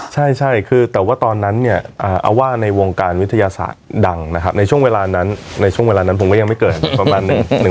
ใช่คือแต่ว่าตอนนั้นเนี่ยเอาว่าในวงการวิทยาศาสตร์ดังนะครับในช่วงเวลานั้นในช่วงเวลานั้นผมก็ยังไม่เกิดประมาณหนึ่ง